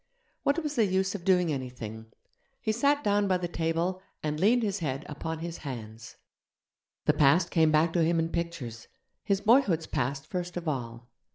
What was the use of doing anything? He sat down by the table and leaned his head upon his hands. The past came back to him in pictures: his boyhood's past first of all.